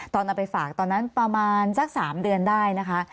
ตอนเอาไปฝากตอนนั้นประมาณสัก๓เดือนได้นะคะ